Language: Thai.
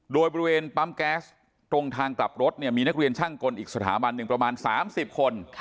โดยบริเวณปั๊มแก๊สตรงทางกลับรถเนี่ยมีนักเรียนช่างกลอีกสถาบันหนึ่งประมาณ๓๐คน